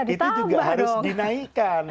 itu juga harus dinaikkan